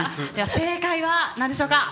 正解はなんでしょうか？